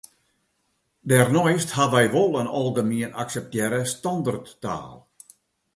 Dêrneist ha wy wol in algemien akseptearre standerttaal.